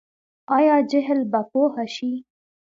آیا جهل به پوهه شي؟